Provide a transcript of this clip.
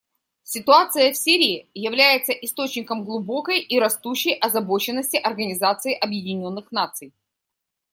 Ситуация в Сирии является источником глубокой и растущей озабоченности Организации Объединенных Наций.